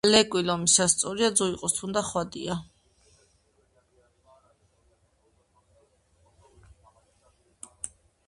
ლეკვი ლომიაა სწორია, ძუ იყოს თუნდა ხვადია